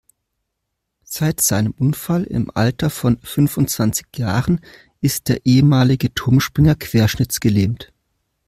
Seit seinem Unfall im Alter von fünfundzwanzig Jahren ist der ehemalige Turmspringer querschnittsgelähmt.